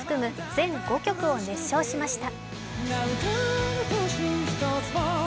全５曲を熱唱しました。